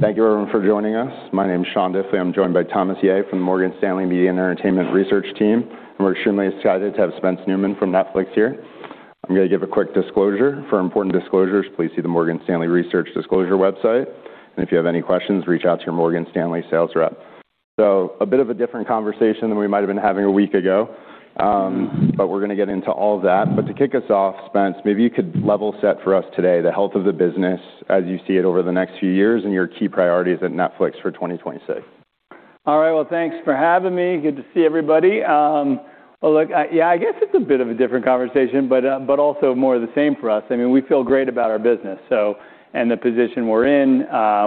Thank you everyone for joining us. My name is Sean Diffley. I'm joined by Thomas Yeh from the Morgan Stanley Media and Entertainment Research team. We're extremely excited to have Spence Neumann from Netflix here. I'm gonna give a quick disclosure. For important disclosures, please see the Morgan Stanley Research Disclosure website. If you have any questions, reach out to your Morgan Stanley sales rep. A bit of a different conversation than we might have been having a week ago, but we're gonna get into all that. To kick us off, Spence, maybe you could level set for us today the health of the business as you see it over the next few years and your key priorities at Netflix for 2026. All right. Well, thanks for having me. Good to see everybody. Well, look, yeah, I guess it's a bit of a different conversation, but also more the same for us. I mean, we feel great about our business, so and the position we're in.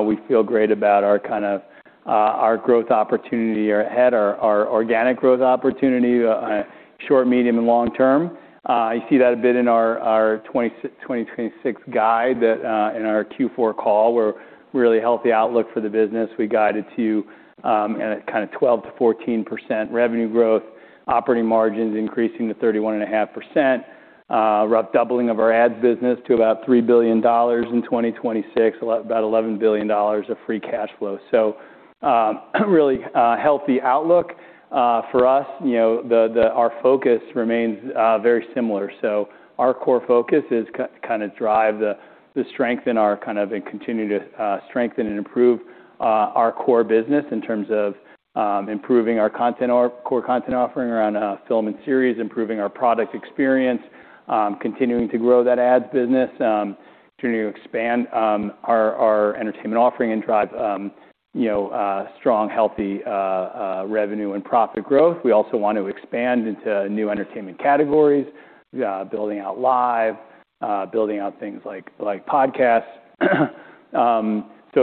We feel great about our kind of, our growth opportunity ahead, our organic growth opportunity on a short, medium, and long term. You see that a bit in our 2026 guide that in our Q4 call. We're really healthy outlook for the business. We guided to, and a kind of 12%-14% revenue growth, operating margins increasing to 31.5%, rough doubling of our ads business to about $3 billion in 2026, about $11 billion of free cash flow. Really healthy outlook for us. You know, our focus remains very similar. Our core focus is kind of drive the strength in our kind of and continue to strengthen and improve our core business in terms of improving our content or core content offering around film and series, improving our product experience, continuing to grow that ads business, continuing to expand our entertainment offering and drive, you know, strong, healthy revenue and profit growth. We also want to expand into new entertainment categories, building out live, building out things like podcasts.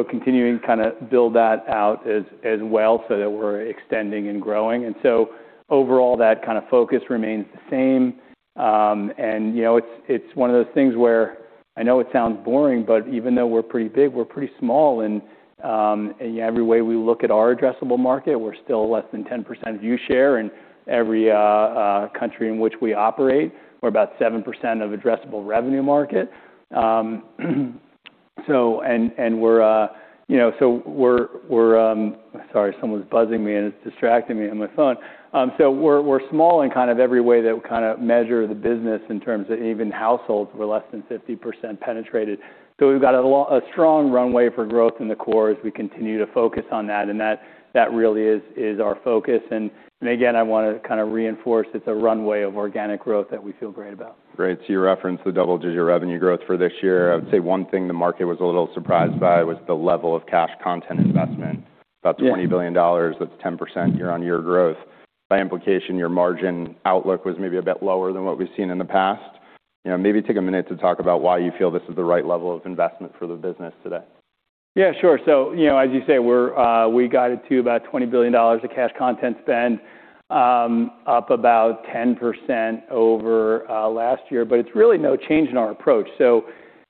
Continuing to kind of build that out as well so that we're extending and growing. Overall, that kind of focus remains the same. You know, it's one of those things where I know it sounds boring, but even though we're pretty big, we're pretty small. Every way we look at our addressable market, we're still less than 10% view share in every country in which we operate. We're about 7% of addressable revenue market. And, we're, you know. We're, sorry, someone's buzzing me and it's distracting me on my phone. We're small in kind of every way that we kinda measure the business in terms of even households, we're less than 50% penetrated. We've got a strong runway for growth in the core as we continue to focus on that, and that really is our focus. Again, I wanna kinda reinforce it's a runway of organic growth that we feel great about. Great. You referenced the double-digit revenue growth for this year. I would say one thing the market was a little surprised by was the level of cash content investment. Yeah. About $20 billion, that's 10% year-on-year growth. By implication, your margin outlook was maybe a bit lower than what we've seen in the past. You know, maybe take a minute to talk about why you feel this is the right level of investment for the business today. Yeah, sure. You know, as you say, we're we guided to about $20 billion of cash content spend, up about 10% over last year. It's really no change in our approach. You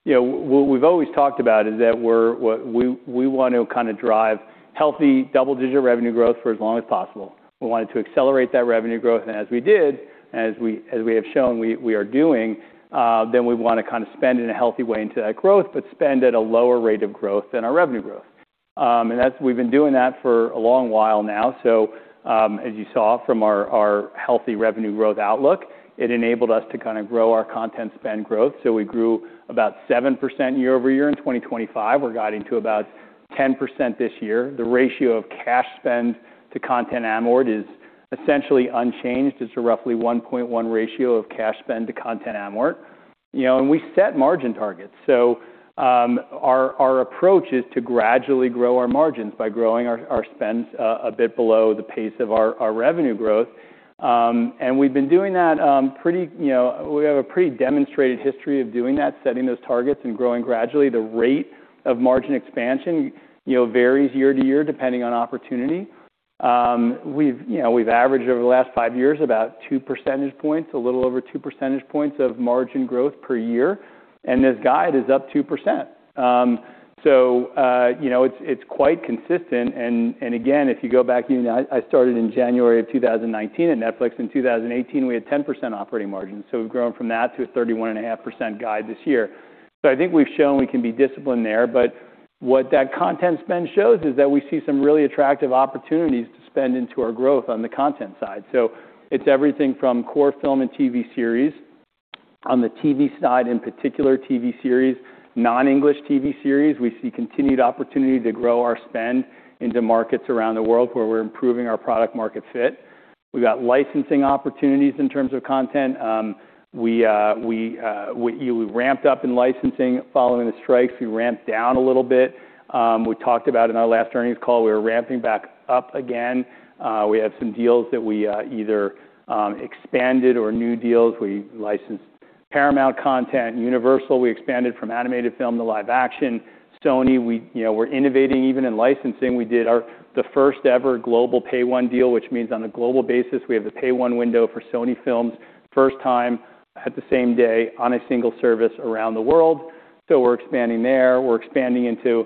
know, we've always talked about is that we want to kinda drive healthy double-digit revenue growth for as long as possible. We wanted to accelerate that revenue growth. As we did, as we have shown we are doing, we wanna kinda spend in a healthy way into that growth, spend at a lower rate of growth than our revenue growth. We've been doing that for a long while now. As you saw from our healthy revenue growth outlook, it enabled us to kinda grow our content spend growth. We grew about 7% year-over-year in 2025. We're guiding to about 10% this year. The ratio of cash spend to content amort is essentially unchanged. It's a roughly 1.1 ratio of cash spend to content amort. You know, we set margin targets. Our approach is to gradually grow our margins by growing our spends a bit below the pace of our revenue growth. We've been doing that pretty, you know. We have a pretty demonstrated history of doing that, setting those targets and growing gradually. The rate of margin expansion, you know, varies year-to-year depending on opportunity. We've, you know, we've averaged over the last five years about 2 percentage points, a little over 2 percentage points of margin growth per year, and this guide is up 2%. you know, it's quite consistent. Again, if you go back, you know, I started in January of 2019 at Netflix. In 2018, we had 10% operating margin. We've grown from that to a 31.5% guide this year. I think we've shown we can be disciplined there. What that content spend shows is that we see some really attractive opportunities to spend into our growth on the content side. It's everything from core film and TV series. On the TV side, in particular TV series, non-English TV series, we see continued opportunity to grow our spend into markets around the world where we're improving our product market fit. We got licensing opportunities in terms of content. We usually ramped up in licensing following the strikes. We ramped down a little bit. We talked about in our last earnings call, we were ramping back up again. We have some deals that we either expanded or new deals. We licensed Paramount content. Universal, we expanded from animated film to live action. Sony, we, you know, we're innovating even in licensing. We did the first ever global Pay-1 deal, which means on a global basis, we have the Pay-1 window for Sony films first time. At the same day on a single service around the world. We're expanding there. We're expanding into,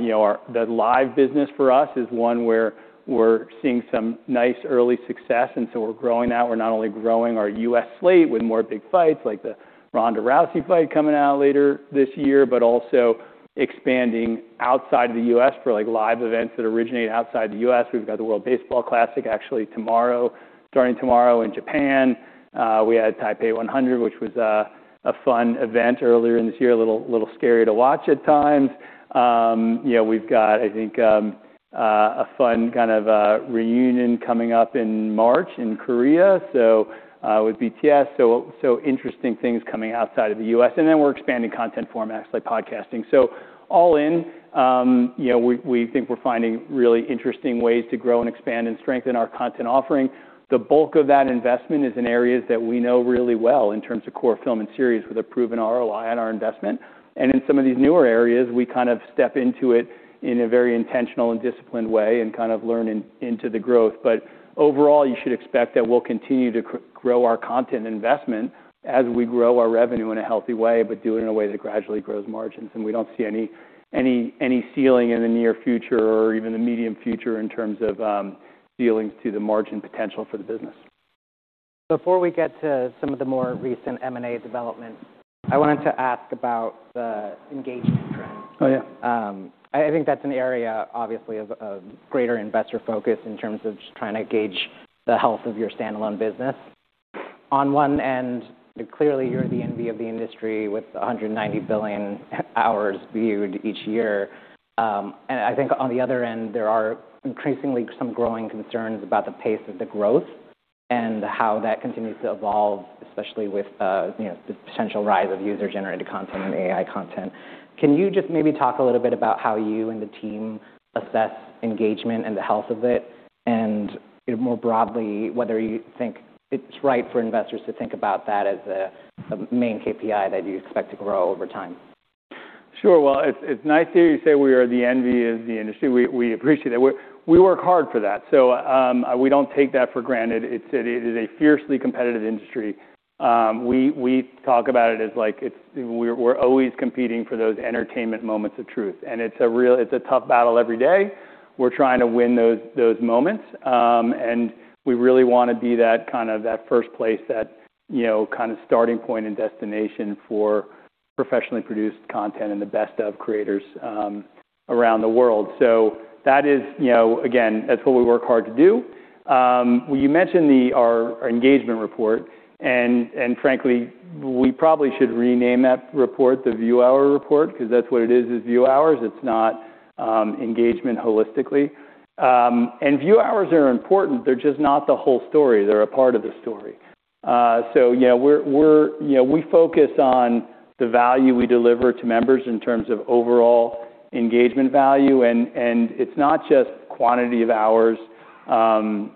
you know, The live business for us is one where we're seeing some nice early success, and so we're growing out. We're not only growing our U.S. slate with more big fights like the Ronda Rousey fight coming out later this year, but also expanding outside the U.S. for, like, live events that originate outside the U.S. We've got the World Baseball Classic actually starting tomorrow in Japan. We had Taipei 101, which was a fun event earlier in this year, a little scary to watch at times. You know, we've got, I think, a fun kind of reunion coming up in March in Korea with BTS, so interesting things coming outside of the U.S. We're expanding content formats like podcasting. All in, you know, we think we're finding really interesting ways to grow and expand and strengthen our content offering. The bulk of that investment is in areas that we know really well in terms of core film and series with a proven ROI on our investment. In some of these newer areas, we kind of step into it in a very intentional and disciplined way and kind of learn into the growth. Overall, you should expect that we'll continue to grow our content investment as we grow our revenue in a healthy way, but do it in a way that gradually grows margins. We don't see any ceiling in the near future or even the medium future in terms of ceilings to the margin potential for the business. Before we get to some of the more recent M&A developments, I wanted to ask about the engagement trends. Oh, yeah. I think that's an area obviously of greater investor focus in terms of just trying to gauge the health of your standalone business. On one end, clearly you're the envy of the industry with 190 billion hours viewed each year. I think on the other end, there are increasingly some growing concerns about the pace of the growth and how that continues to evolve, especially with, you know, the potential rise of user-generated content and AI content. Can you just maybe talk a little bit about how you and the team assess engagement and the health of it, and more broadly, whether you think it's right for investors to think about that as a main KPI that you expect to grow over time? Well, it's nice to hear you say we are the envy of the industry. We appreciate it. We work hard for that. We don't take that for granted. It is a fiercely competitive industry. We talk about it as, like, We're always competing for those entertainment moments of truth. It's a tough battle every day. We're trying to win those moments, we really wanna be that kind of that first place that, you know, kind of starting point and destination for professionally produced content and the best of creators around the world. That is, you know, again, that's what we work hard to do. You mentioned our engagement report. Frankly, we probably should rename that report the view hour report because that's what it is view hours. It's not engagement holistically. View hours are important. They're just not the whole story. They're a part of the story. So yeah, we're, you know, we focus on the value we deliver to members in terms of overall engagement value. It's not just quantity of hours.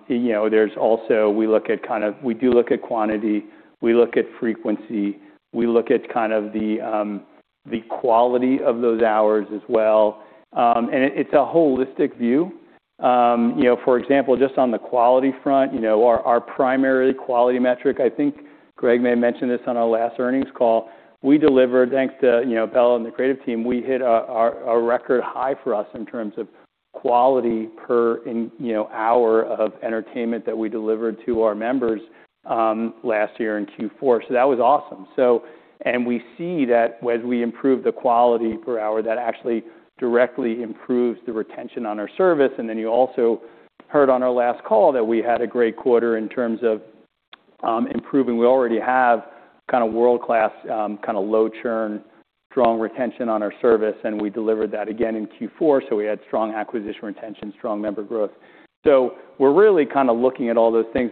You know, there's also we look at kind of, we do look at quantity, we look at frequency, we look at kind of the quality of those hours as well. It's a holistic view. You know, for example, just on the quality front, you know, our primary quality metric, I think Greg may have mentioned this on our last earnings call. We delivered, thanks to, you know, Bela and the creative team, we hit a record high for us in terms of quality per, you know, hour of entertainment that we delivered to our members last year in Q4. That was awesome. We see that as we improve the quality per hour, that actually directly improves the retention on our service. You also heard on our last call that we had a great quarter in terms of improving. We already have kind of world-class, kind of low churn, strong retention on our service. We delivered that again in Q4. We had strong acquisition retention, strong member growth. We're really kind of looking at all those things.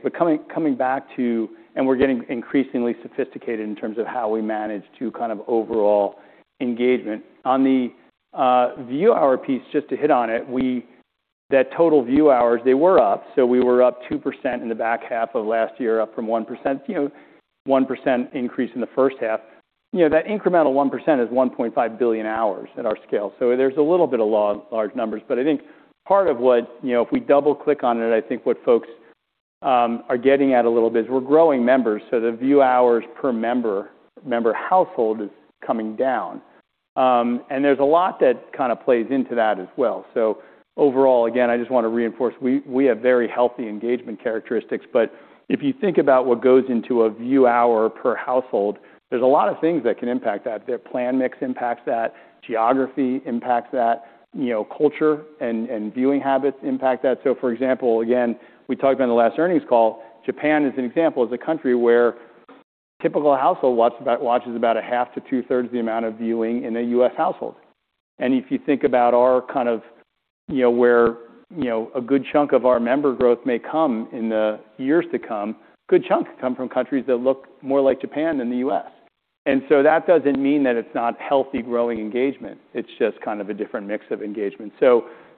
Coming back to, we're getting increasingly sophisticated in terms of how we manage to kind of overall engagement. On the view hour piece, just to hit on it, The total view hours, they were up. We were up 2% in the back half of last year, up from 1%, you know, 1% increase in the first half. You know, that incremental 1% is 1.5 billion hours at our scale. There's a little bit of large numbers. I think part of what, you know, if we double-click on it, I think what folks are getting at a little bit is we're growing members, so the view hours per member household is coming down. And there's a lot that kind of plays into that as well. Overall, again, I just want to reinforce we have very healthy engagement characteristics. If you think about what goes into a view hour per household, there's a lot of things that can impact that. The plan mix impacts that, geography impacts that, you know, culture and viewing habits impact that. For example, again, we talked about in the last earnings call, Japan is an example is a country where typical household watches about a half to two-thirds the amount of viewing in a U.S. household. If you think about our kind of, you know, where, you know, a good chunk of our member growth may come in the years to come, good chunk come from countries that look more like Japan than the U.S. That doesn't mean that it's not healthy growing engagement. It's just kind of a different mix of engagement.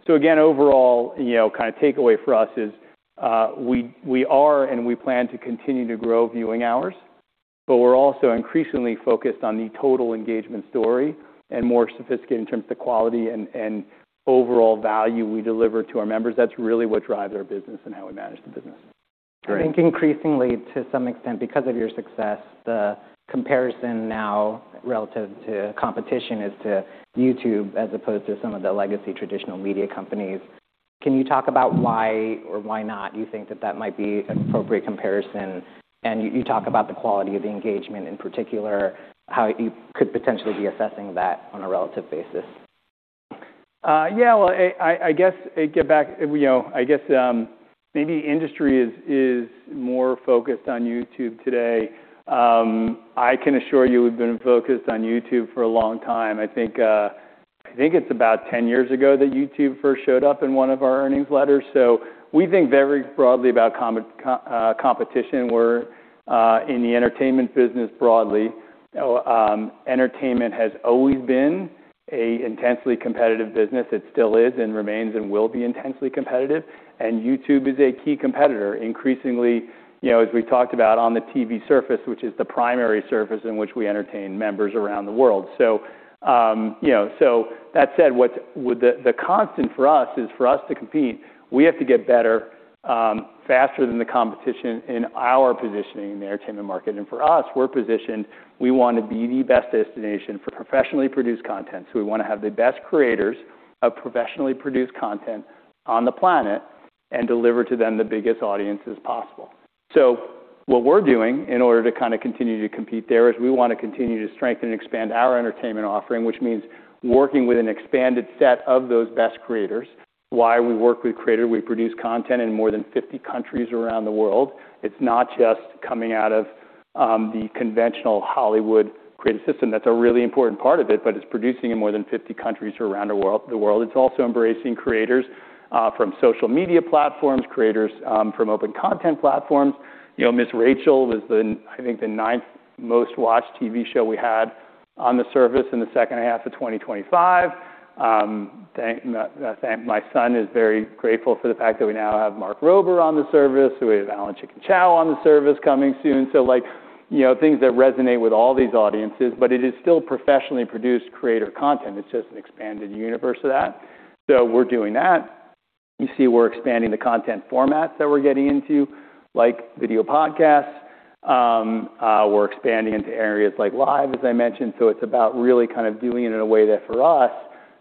Again, overall, you know, kind of takeaway for us is, we are and we plan to continue to grow viewing hours, but we're also increasingly focused on the total engagement story and more sophisticated in terms of the quality and overall value we deliver to our members. That's really what drives our business and how we manage the business. I think increasingly, to some extent, because of your success, the comparison now relative to competition is to YouTube as opposed to some of the legacy traditional media companies. Can you talk about why or why not you think that that might be an appropriate comparison? You talk about the quality of the engagement, in particular, how you could potentially be assessing that on a relative basis. Yeah, well, I guess, get back, you know, I guess, maybe industry is more focused on YouTube today. I can assure you we've been focused on YouTube for a long time. I think, I think it's about 10 years ago that YouTube first showed up in one of our earnings letters. We think very broadly about competition. We're in the entertainment business broadly. Entertainment has always been a intensely competitive business. It still is and remains and will be intensely competitive. YouTube is a key competitor. Increasingly, you know, as we talked about on the TV surface, which is the primary surface in which we entertain members around the world. You know, the constant for us is for us to compete, we have to get better faster than the competition in our positioning in the entertainment market. For us, we're positioned, we want to be the best destination for professionally produced content. We want to have the best creators of professionally produced content on the planet and deliver to them the biggest audiences possible. What we're doing in order to kind of continue to compete there is we want to continue to strengthen and expand our entertainment offering, which means working with an expanded set of those best creators. Why we work with creator, we produce content in more than 50 countries around the world. It's not just coming out of the conventional Hollywood creative system. That's a really important part of it. It's producing in more than 50 countries around the world. It's also embracing creators from social media platforms, creators from open content platforms. You know, Ms. Rachel was the, I think, the 9th most watched TV show we had on the service in the second half of 2025. My son is very grateful for the fact that we now have Mark Rober on the service. We have Alan Chikin Chow on the service coming soon. Like, you know, things that resonate with all these audiences, but it is still professionally produced creator content. It's just an expanded universe of that. We're doing that. You see, we're expanding the content formats that we're getting into, like video podcasts. We're expanding into areas like live, as I mentioned. It's about really kind of doing it in a way that for us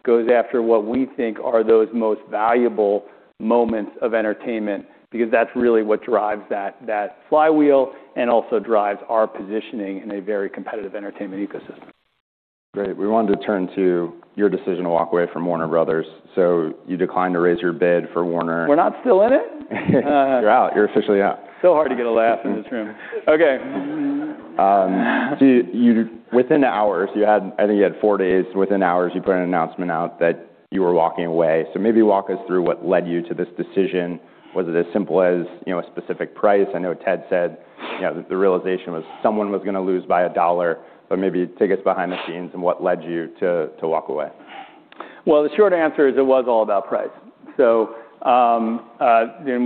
goes after what we think are those most valuable moments of entertainment, because that's really what drives that flywheel and also drives our positioning in a very competitive entertainment ecosystem. Great. We wanted to turn to your decision to walk away from Warner Bros.. You declined to raise your bid for Warner. We're not still in it? You're out. You're officially out. Hard to get a laugh in this room. Okay. Within hours, I think you had four days. Within hours, you put an announcement out that you were walking away. Maybe walk us through what led you to this decision. Was it as simple as, you know, a specific price? I know Ted said, you know, the realization was someone was going to lose by $1, but maybe take us behind the scenes and what led you to walk away. The short answer is it was all about price. We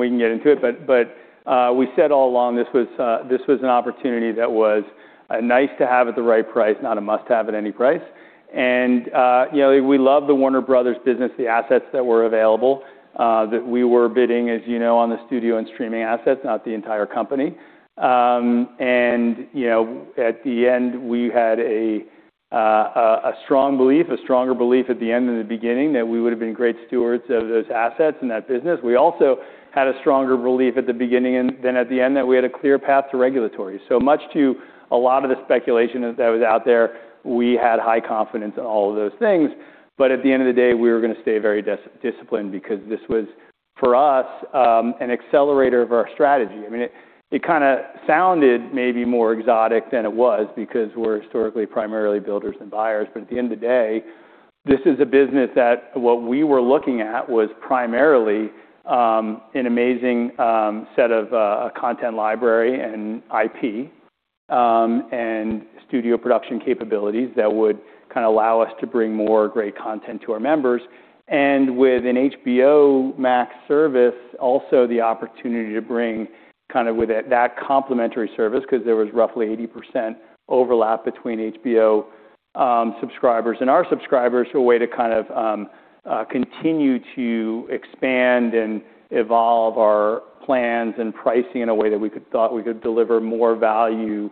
can get into it, but we said all along, this was an opportunity that was nice to have at the right price, not a must-have at any price. You know, we love the Warner Bros. business, the assets that were available, that we were bidding, as you know, on the studio and streaming assets, not the entire company. You know, at the end, we had a strong belief, a stronger belief at the end than the beginning that we would have been great stewards of those assets and that business. We also had a stronger belief at the beginning than at the end that we had a clear path to regulatory. Much to a lot of the speculation that was out there, we had high confidence in all of those things. At the end of the day, we were going to stay very disciplined because this was, for us, an accelerator of our strategy. I mean, it kinda sounded maybe more exotic than it was because we're historically primarily builders and buyers. At the end of the day, this is a business that what we were looking at was primarily, an amazing, set of, a content library and IP, and studio production capabilities that would kind of allow us to bring more great content to our members. With an HBO Max service, also the opportunity to bring kind of with that complementary service, because there was roughly 80% overlap between HBO subscribers and our subscribers, so a way to kind of continue to expand and evolve our plans and pricing in a way that thought we could deliver more value,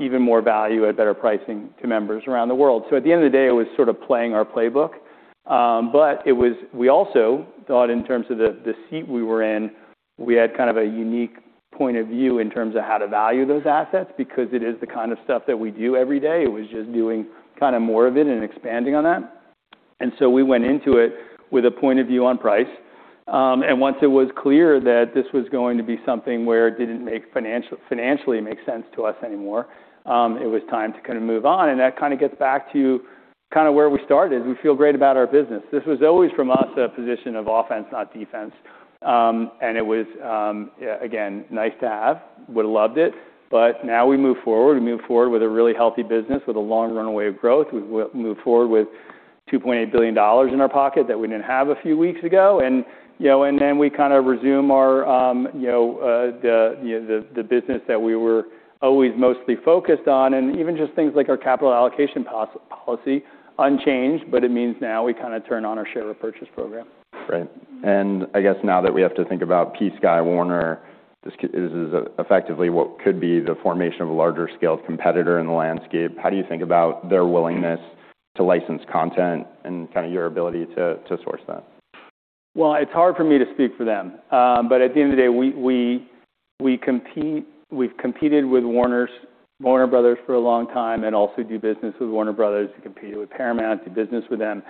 even more value at better pricing to members around the world. At the end of the day, it was sort of playing our playbook. We also thought in terms of the seat we were in, we had kind of a unique point of view in terms of how to value those assets, because it is the kind of stuff that we do every day. It was just doing kind of more of it and expanding on that. We went into it with a point of view on price. Once it was clear that this was going to be something where it didn't financially make sense to us anymore, it was time to kind of move on. That kind of gets back to kind of where we started. We feel great about our business. This was always from us, a position of offense, not defense. It was again, nice to have, would have loved it. Now we move forward. We move forward with a really healthy business with a long runway of growth. We move forward with $2.8 billion in our pocket that we didn't have a few weeks ago. You know, we kind of resume our, you know, the business that we were always mostly focused on, and even just things like our capital allocation policy unchanged, but it means now we kind of turn on our share repurchase program. Right. I guess now that we have to think about PSKY Warner, this is effectively what could be the formation of a larger scaled competitor in the landscape. How do you think about their willingness to license content and kind of your ability to source that? Well, it's hard for me to speak for them. At the end of the day, we've competed with Warner Bros. for a long time and also do business with Warner Bros., we compete with Paramount, do business with them.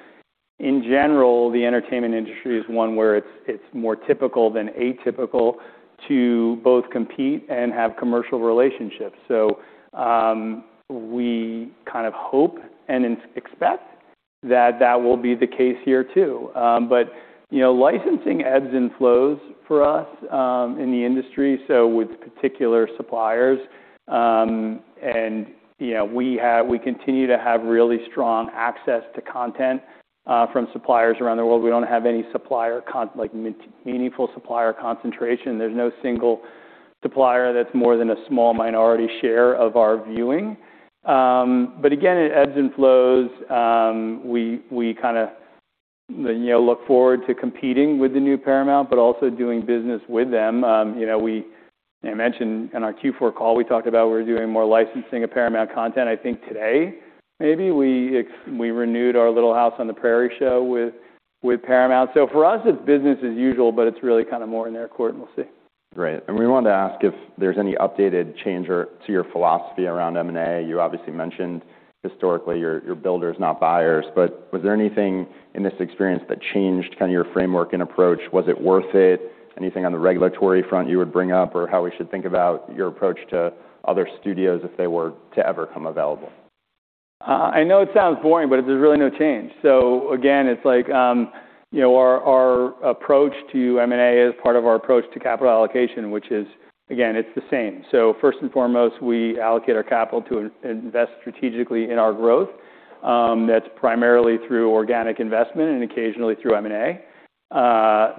In general, the entertainment industry is one where it's more typical than atypical to both compete and have commercial relationships. We kind of hope and expect that that will be the case here too. You know, licensing ebbs and flows for us in the industry, so with particular suppliers. You know, we continue to have really strong access to content from suppliers around the world. We don't have any supplier, like, meaningful supplier concentration. There's no single supplier that's more than a small minority share of our viewing. Again, it ebbs and flows. We kinda, you know, look forward to competing with the new Paramount, but also doing business with them. You know, I mentioned in our Q4 call, we talked about we're doing more licensing of Paramount content. I think today maybe we renewed our Little House on the Prairie show with Paramount. For us, it's business as usual, but it's really kind of more in their court, and we'll see. Great. We wanted to ask if there's any updated change or to your philosophy around M&A. You obviously mentioned historically you're builders, not buyers. Was there anything in this experience that changed kind of your framework and approach? Was it worth it? Anything on the regulatory front you would bring up or how we should think about your approach to other studios if they were to ever come available? I know it sounds boring, but there's really no change. Again, it's like, you know, our approach to M&A is part of our approach to capital allocation, which is again, it's the same. First and foremost, we allocate our capital to invest strategically in our growth, that's primarily through organic investment and occasionally through M&A.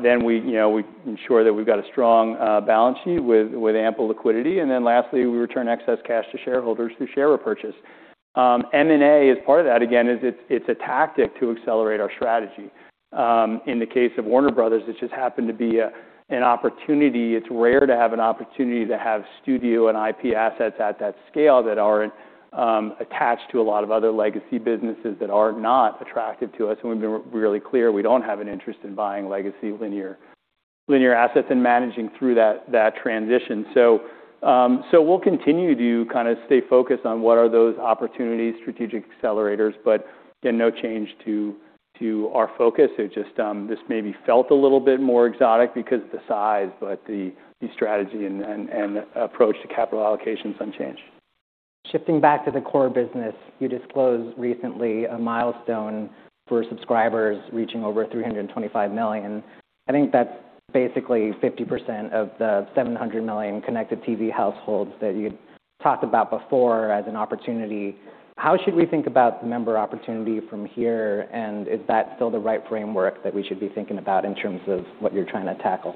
Then we, you know, we ensure that we've got a strong balance sheet with ample liquidity. Lastly, we return excess cash to shareholders through share repurchase. M&A is part of that. Again, it's a tactic to accelerate our strategy. In the case of Warner Bros., it just happened to be an opportunity. It's rare to have an opportunity to have studio and IP assets at that scale that aren't attached to a lot of other legacy businesses that are not attractive to us. We've been really clear, we don't have an interest in buying legacy linear assets and managing through that transition. We'll continue to kind of stay focused on what are those opportunities, strategic accelerators. Again, no change to our focus. It just this maybe felt a little bit more exotic because of the size. The strategy and approach to capital allocation is unchanged. Shifting back to the core business, you disclosed recently a milestone for subscribers reaching over 325 million. I think that's basically 50% of the 700 million connected TV households that you talked about before as an opportunity. How should we think about the member opportunity from here? Is that still the right framework that we should be thinking about in terms of what you're trying to tackle?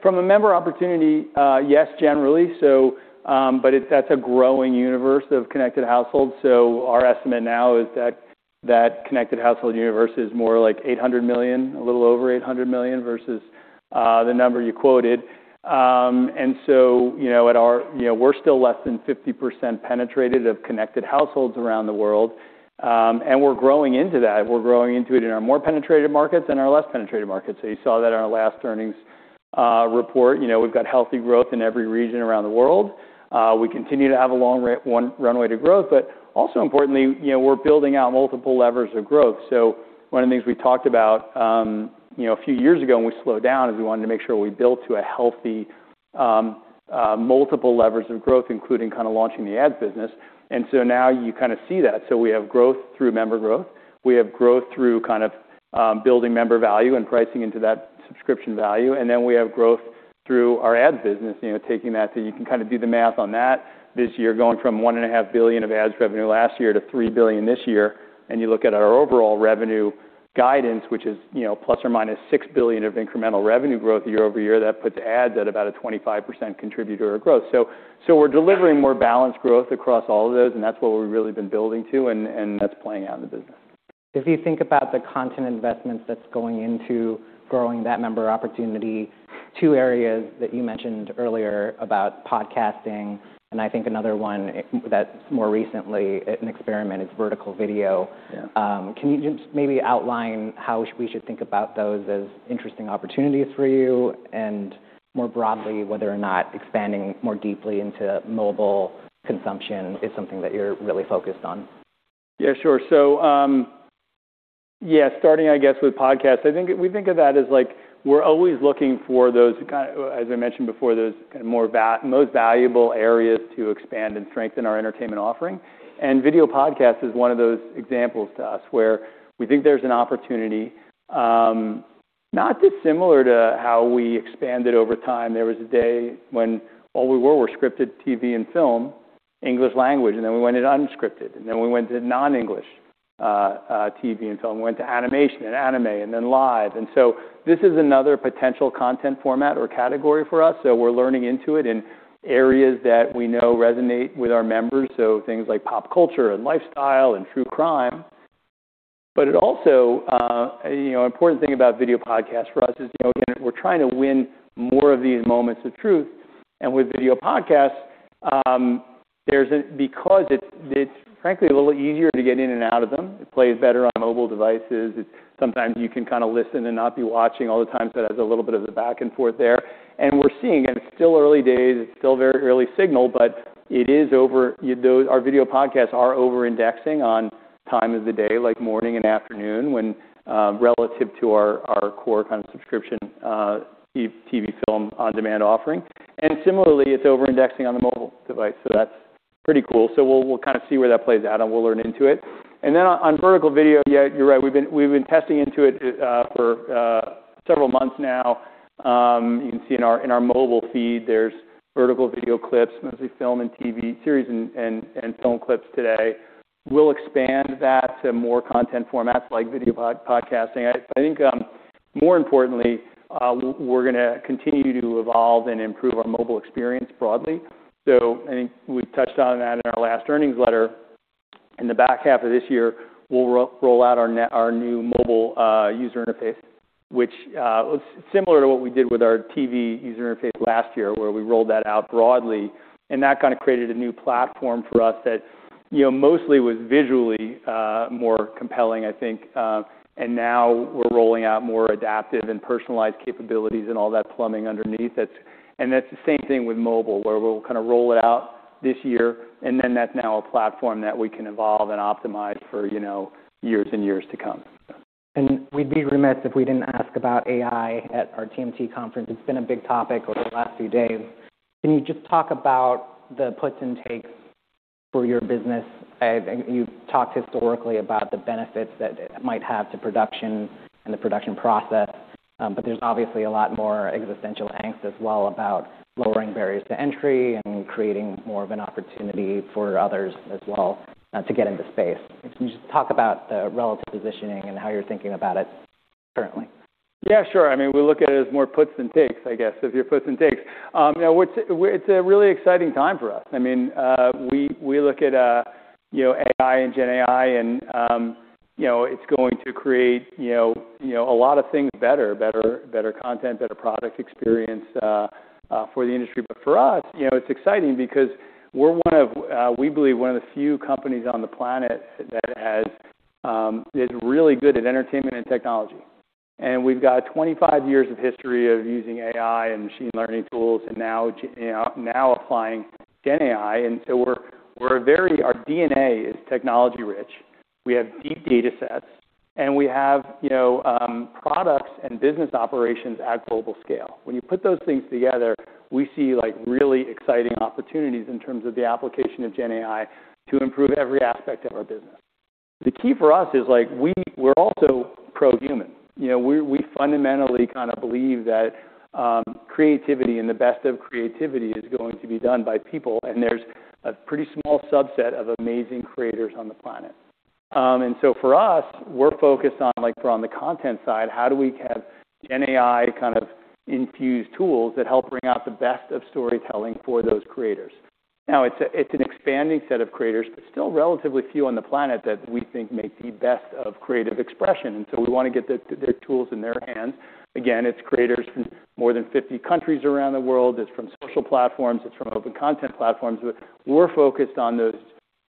From a member opportunity, yes, generally. That's a growing universe of connected households. Our estimate now is that that connected household universe is more like $800 million, a little over $800 million versus the number you quoted. You know, we're still less than 50% penetrated of connected households around the world, and we're growing into that. We're growing into it in our more penetrated markets and our less penetrated markets. You saw that in our last earnings report. You know, we've got healthy growth in every region around the world. We continue to have a long runway to growth. Also importantly, you know, we're building out multiple levers of growth. One of the things we talked about, you know, a few years ago, and we slowed down, is we wanted to make sure we built to a healthy multiple levers of growth, including kind of launching the ad business. Now you kind of see that. We have growth through member growth. We have growth through kind of building member value and pricing into that subscription value. We have growth through our ad business, you know, taking that. You can kind of do the math on that this year, going from $1.5 billion of ads revenue last year to $3 billion this year. You look at our overall revenue guidance, which is, you know, ±$6 billion of incremental revenue growth year-over-year. That puts ads at about a 25% contributor of growth. We're delivering more balanced growth across all of those, and that's what we've really been building to, and that's playing out in the business. If you think about the content investments that's going into growing that member opportunity, two areas that you mentioned earlier about podcasting, and I think another one that more recently an experiment is vertical video. Yeah. Can you just maybe outline how we should think about those as interesting opportunities for you? More broadly, whether or not expanding more deeply into mobile consumption is something that you're really focused on. Yeah, sure. Starting, I guess, with podcasts, I think we think of that as, like, we're always looking for those as I mentioned before, those most valuable areas to expand and strengthen our entertainment offering. Video podcast is one of those examples to us, where we think there's an opportunity. Not dissimilar to how we expanded over time. There was a day when all we were scripted TV and film, English language, and then we went into unscripted, and then we went to non-English TV and film. We went to animation and anime and then live. This is another potential content format or category for us. We're learning into it in areas that we know resonate with our members, so things like pop culture and lifestyle and true crime. It also, you know, important thing about video podcasts for us is, you know, again, we're trying to win more of these moments of truth, and with video podcasts, there's a because it's frankly a little easier to get in and out of them. It plays better on mobile devices. It's sometimes you can kinda listen and not be watching all the time, so it has a little bit of the back and forth there. We're seeing, and it's still early days, it's still very early signal, but Our video podcasts are over-indexing on time of the day, like morning and afternoon when, relative to our core kind of subscription TV, film on-demand offering. Similarly, it's over-indexing on the mobile device, so that's pretty cool. We'll kind of see where that plays out, and we'll learn into it. Then on vertical video, yeah, you're right. We've been testing into it for several months now. You can see in our mobile feed, there's vertical video clips, mostly film and TV series and film clips today. We'll expand that to more content formats like video podcasting. I think, more importantly, we're gonna continue to evolve and improve our mobile experience broadly. I think we touched on that in our last earnings letter. In the back half of this year, we'll roll out our new mobile user interface, which, similar to what we did with our TV user interface last year where we rolled that out broadly and that kinda created a new platform for us that, you know, mostly was visually, more compelling, I think. And now we're rolling out more adaptive and personalized capabilities and all that plumbing underneath it. That's the same thing with mobile, where we'll kind of roll it out this year, and then that's now a platform that we can evolve and optimize for, you know, years and years to come, so. We'd be remiss if we didn't ask about AI at our TMT conference. It's been a big topic over the last few days. Can you just talk about the puts and takes for your business? You've talked historically about the benefits that it might have to production and the production process. There's obviously a lot more existential angst as well about lowering barriers to entry and creating more of an opportunity for others as well, to get into space. Can you just talk about the relative positioning and how you're thinking about it currently? Yeah, sure. I mean, we look at it as more puts than takes, I guess, if you're puts and takes. you know, it's a really exciting time for us. I mean, we look at, you know, AI and Gen AI and, you know, it's going to create, you know, a lot of things better: better content, better product experience for the industry. For us, you know, it's exciting because we're one of, we believe one of the few companies on the planet that has is really good at entertainment and technology. We've got 25 years of history of using AI and machine learning tools and now applying Gen AI. Our DNA is technology-rich. We have deep data sets, and we have, you know, products and business operations at global scale. When you put those things together, we see, like, really exciting opportunities in terms of the application of GenAI to improve every aspect of our business. The key for us is, like, we're also pro-human. You know, we fundamentally kinda believe that creativity and the best of creativity is going to be done by people, and there's a pretty small subset of amazing creators on the planet. For us, we're focused on, like, from the content side, how do we have GenAI kind of infused tools that help bring out the best of storytelling for those creators? It's an expanding set of creators, but still relatively few on the planet that we think make the best of creative expression, we wanna get the tools in their hands. Again, it's creators from more than 50 countries around the world. It's from social platforms. It's from open content platforms. We're focused on those,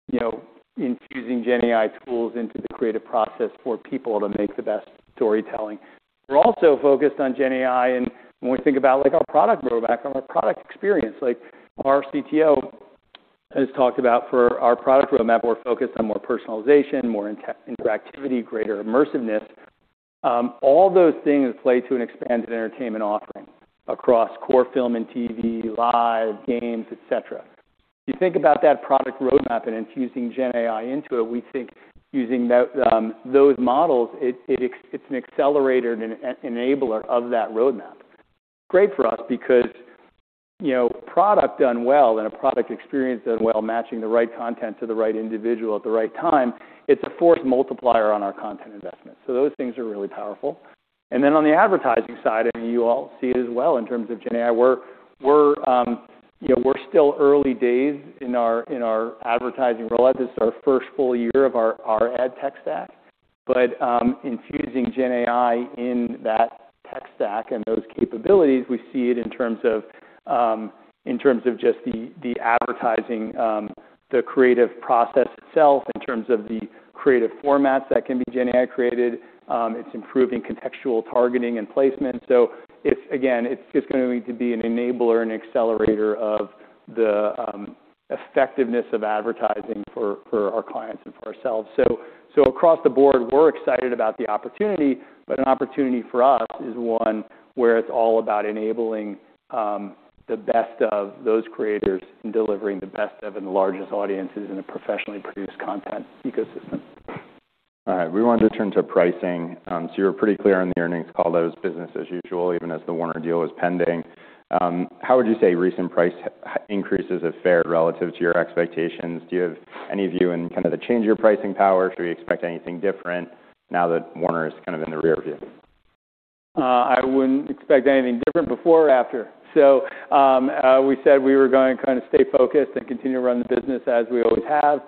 you know, infusing Gen AI tools into the creative process for people to make the best storytelling. We're also focused on Gen AI and when we think about, like, our product roadmap and our product experience. Our CTO has talked about for our product roadmap, we're focused on more personalization, more interactivity, greater immersiveness. All those things play to an expanded entertainment offering across core film and TV, live, games, et cetera. You think about that product roadmap and infusing GenAI into it, we think using those models, it's an accelerator and enabler of that roadmap. Great for us because, you know, product done well and a product experience done well, matching the right content to the right individual at the right time, it's a force multiplier on our content investments. Those things are really powerful. On the advertising side, I mean, you all see it as well in terms of GenAI. We're, you know, still early days in our advertising rollout. This is our first full year of our ad tech stack. Infusing Gen AI in that tech stack and those capabilities, we see it in terms of, in terms of just the advertising, the creative process itself, in terms of the creative formats that can be Gen AI created. It's improving contextual targeting and placement. It's, again, it's just going to be an enabler and accelerator of the effectiveness of advertising for our clients and for ourselves. Across the board, we're excited about the opportunity, but an opportunity for us is one where it's all about enabling the best of those creators and delivering the best of and the largest audiences in a professionally produced content ecosystem. All right. We wanted to turn to pricing. You were pretty clear on the earnings call that it was business as usual, even as the Warner deal was pending. How would you say recent price increases have fared relative to your expectations? Do you have any view in kind of the change in your pricing power? Should we expect anything different now that Warner is kind of in the rear view? I wouldn't expect anything different before or after. We said we were gonna kind of stay focused and continue to run the business as we always have.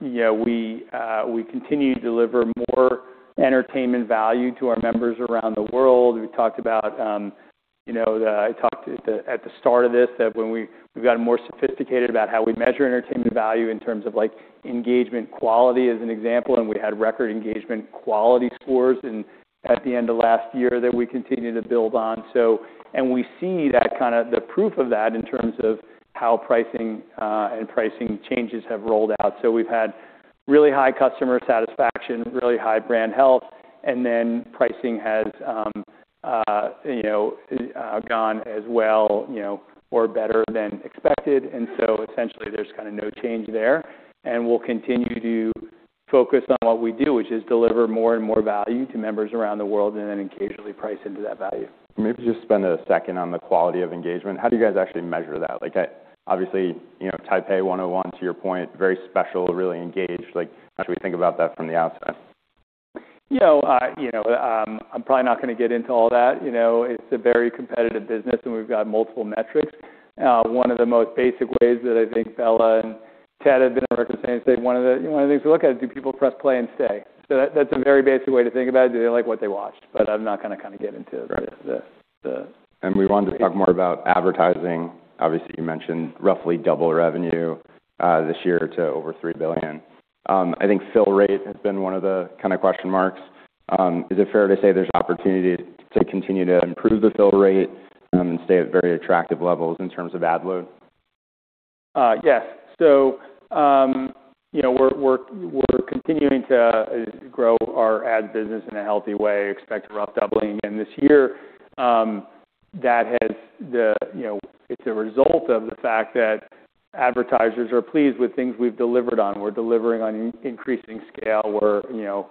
You know, we continue to deliver more entertainment value to our members around the world. We talked about, you know. I talked at the start of this, that when we've gotten more sophisticated about how we measure entertainment value in terms of, like, engagement quality, as an example, and we had record engagement quality scores at the end of last year that we continue to build on, so. We see that kind of, the proof of that in terms of how pricing and pricing changes have rolled out. We've had really high customer satisfaction, really high brand health, and then pricing has, you know, gone as well, you know, or better than expected. Essentially, there's kinda no change there. We'll continue to focus on what we do, which is deliver more and more value to members around the world and then occasionally price into that value. Maybe just spend a second on the quality of engagement. How do you guys actually measure that? Like, obviously, you know, Taipei 101, to your point, very special, really engaged. Like, how should we think about that from the outside? You know, I, you know, I'm probably not gonna get into all that. You know, it's a very competitive business and we've got multiple metrics. One of the most basic ways that I think Bela and Ted have been recommending is one of the things we look at is do people press play and stay? That's a very basic way to think about it. Do they like what they watched? I'm not gonna kinda get into the. We wanted to talk more about advertising. Obviously, you mentioned roughly double revenue this year to over $3 billion. I think fill rate has been one of the kinda question marks. Is it fair to say there's opportunity to continue to improve the fill rate and stay at very attractive levels in terms of ad load? Yes. You know, we're continuing to grow our ad business in a healthy way, expect to rough doubling again this year. You know, it's a result of the fact that advertisers are pleased with things we've delivered on. We're delivering on an increasing scale. We're, you know,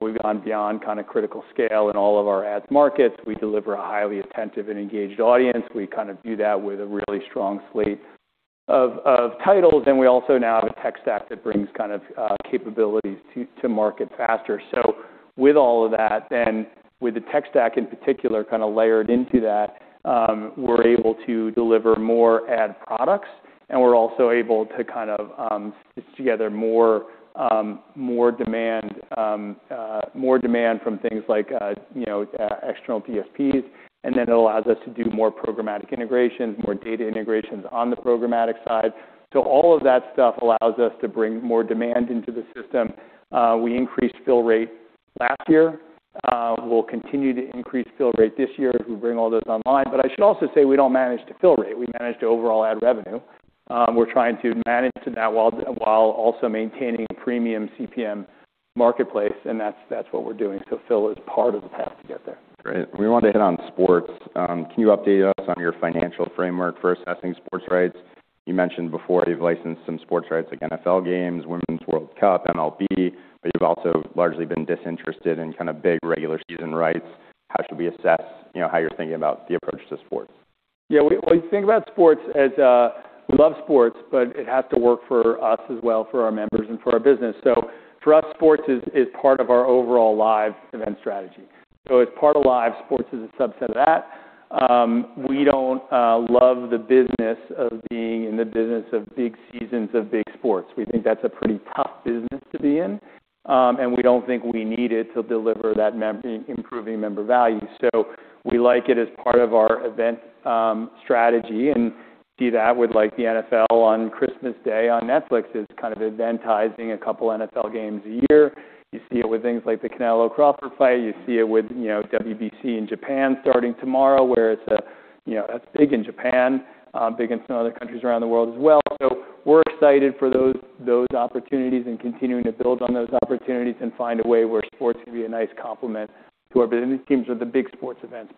we've gone beyond kind of critical scale in all of our ads markets. We deliver a highly attentive and engaged audience. We kind of do that with a really strong slate of titles. We also now have a tech stack that brings kind of capabilities to market faster. With all of that, then with the tech stack in particular kinda layered into that, we're able to deliver more ad products, and we're also able to kind of, stitch together more, more demand, more demand from things like, you know, external DSPs. It allows us to do more programmatic integrations, more data integrations on the programmatic side. All of that stuff allows us to bring more demand into the system. We increased fill rate last year. We'll continue to increase fill rate this year as we bring all this online. I should also say we don't manage to fill rate. We manage to overall ad revenue. We're trying to manage to that while also maintaining premium CPM marketplace, and that's what we're doing. Fill is part of the path to get there. Great. We wanted to hit on sports. Can you update us on your financial framework for assessing sports rights? You mentioned before you've licensed some sports rights like NFL games, Women's World Cup, MLB, but you've also largely been disinterested in kinda big regular season rights. How should we assess, you know, how you're thinking about the approach to sports? We think about sports as we love sports, it has to work for us as well, for our members and for our business. For us, sports is part of our overall live event strategy. As part of live, sports is a subset of that. We don't love the business of being in the business of big seasons of big sports. We think that's a pretty tough business to be in, we don't think we need it to deliver that improving member value. We like it as part of our event strategy and see that with, like, the NFL on Christmas Day on Netflix is kind of eventizing a couple NFL games a year. See it with things like the Canelo-Crawford fight. You see it with, you know, WBC in Japan starting tomorrow, where it's, you know, that's big in Japan, big in some other countries around the world as well. We're excited for those opportunities and continuing to build on those opportunities and find a way where sports can be a nice complement to our business. Seems with the big sports events.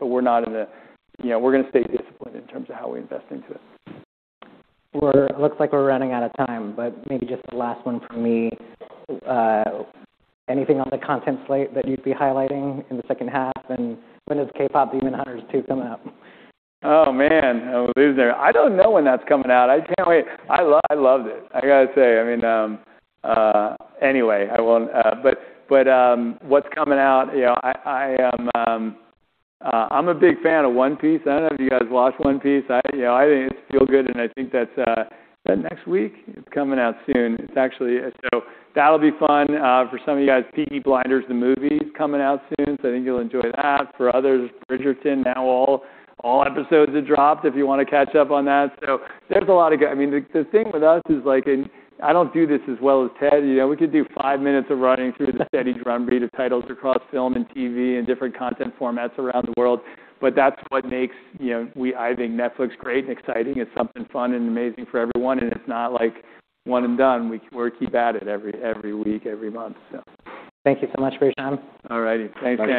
You know, we're gonna stay disciplined in terms of how we invest into it. Looks like we're running out of time, but maybe just the last one from me. Anything on the content slate that you'd be highlighting in the second half? When is KPop Demon Hunters 2 coming out? Oh, man. I believe they're... I don't know when that's coming out. I can't wait. I loved it, I gotta say. I mean, anyway, I won't... What's coming out, you know, I am, I'm a big fan of One Piece. I don't know if you guys watch One Piece. I, you know, I think it's feel good, and I think that's, is that next week? It's coming out soon. It's actually. That'll be fun. For some of you guys, Peaky Blinders, the movie, is coming out soon, I think you'll enjoy that. For others, Bridgerton, now all episodes have dropped if you wanna catch up on that. There's a lot of I mean, the thing with us is, like, and I don't do this as well as Ted. You know, we could do five minutes of running through the steady drum beat of titles across film and TV and different content formats around the world, but that's what makes, you know, I think Netflix great and exciting. It's something fun and amazing for everyone, and it's not like one and done. We keep at it every week, every month, so. Thank you so much for your time. All righty. Thanks, guys.